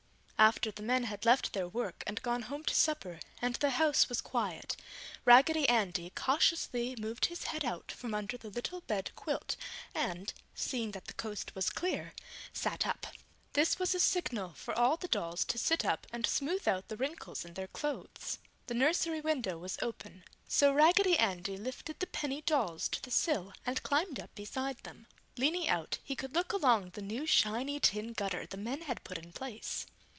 After the men had left their work and gone home to supper and the house was quiet, Raggedy Andy cautiously moved his head out from under the little bed quilt and, seeing that the coast was clear, sat up. This was a signal for all the dolls to sit up and smooth out the wrinkles in their clothes. [Illustration: Lifting the penny dolls] The nursery window was open; so Raggedy Andy lifted the penny dolls to the sill and climbed up beside them. Leaning out, he could look along the new shiny tin gutter the men had put in place.